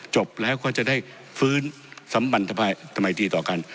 จบแล้วก็จะได้ฟื้นสัมบันธรรมดีต่อกัน